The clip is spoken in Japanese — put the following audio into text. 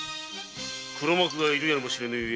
黒幕がいるやもしれぬゆえ